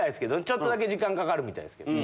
ちょっとだけ時間かかるみたいですけど。